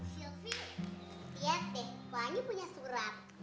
sylvi lihat deh pelangi punya surat